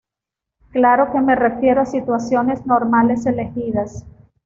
Claro que me refiero a situaciones normales elegidas.